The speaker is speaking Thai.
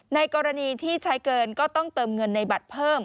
ในกรณีที่ใช้เกินก็ต้องเติมเงินในบัตรเพิ่ม